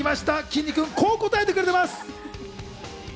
きんに君、こう答えています。